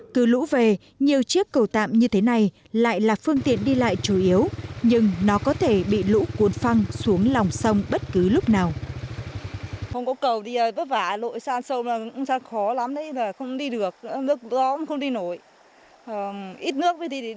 cứ lũ về nhiều chiếc cầu tạm như thế này lại là phương tiện đi lại chủ yếu nhưng nó có thể bị lũ cuốn phăng xuống lòng sông bất cứ lúc nào